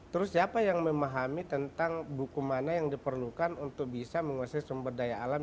terus siapa yang memahami tentang buku mana yang diperlukan untuk bisa menguasai sumber daya alam